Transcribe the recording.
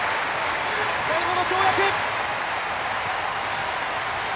最後の跳躍。